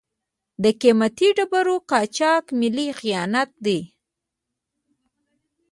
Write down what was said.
د قیمتي ډبرو قاچاق ملي خیانت دی.